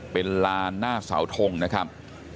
เป็นลานหน้าเสาทงนะครับ